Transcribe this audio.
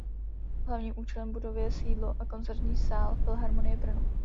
Hlavním účelem budovy je sídlo a koncertní sál Filharmonie Brno.